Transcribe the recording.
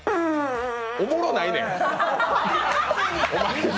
おもろないねん。